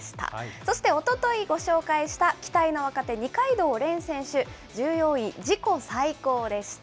そして、おとといご紹介した期待の若手、二階堂蓮選手、１４位、自己最高でした。